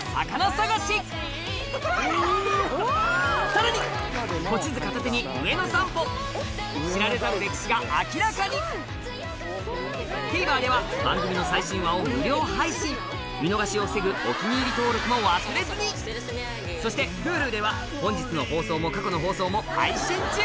さらに古地図片手に上野散歩知られざる歴史が明らかにＴＶｅｒでは番組の最新話を無料配信見逃しを防ぐ「お気に入り」登録も忘れずにそしてＨｕｌｕでは本日の放送も過去の放送も配信中